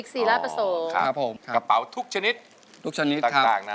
กระเป๋าทุกชนิดครับ